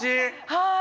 はい。